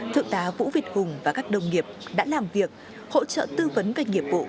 thượng tá vũ việt hùng và các đồng nghiệp đã làm việc hỗ trợ tư vấn các nghiệp vụ